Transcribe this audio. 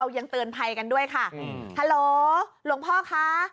ยังเตือนภัยกันด้วยค่ะฮัลโหลหลวงพ่อคะ